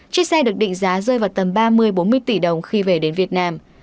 chiếc xe được định giá rơi vào tầm ba mươi bốn mươi tỷ đồng khi về đến việt nam